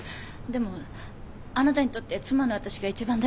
でもあなたにとって妻の私が一番大事。